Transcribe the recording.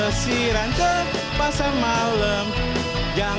lesiran ke pasar malam